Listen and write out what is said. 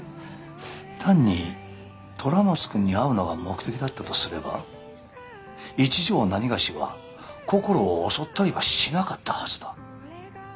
単に虎松くんに会うのが目的だったとすれば一条なにがしはこころを襲ったりはしなかったはずだ。